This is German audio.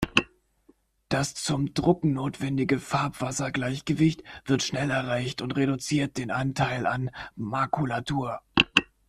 Das zum Drucken notwendige "Farb-Wasser-Gleichgewicht" wird schnell erreicht und reduziert den Anteil an Makulatur.